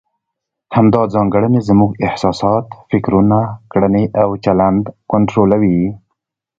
همدا ځانګړنې زموږ احساسات، فکرونه، کړنې او چلند کنټرولوي.